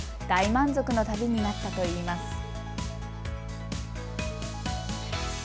大満足の旅になったといいます。